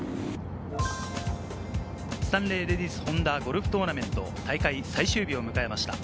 スタンレーレディスホンダゴルフトーナメント、大会最終日を迎えました。